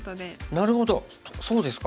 なるほどそうですか。